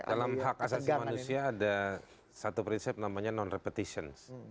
dalam hak asasi manusia ada satu prinsip namanya non repetitions